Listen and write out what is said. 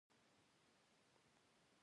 اوس خبر شوم چې پولیس ورپسې گرځي.